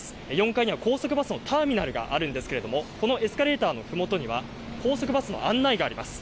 ４階には高速バスのターミナルがあるんですけれどもこのエスカレーターのふもとには高速バスの案内があります。